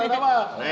pelajaran apa ya